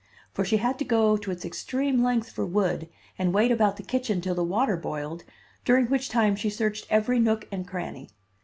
For she had to go to its extreme length for wood and wait about the kitchen till the water boiled, during which time she searched every nook and cranny.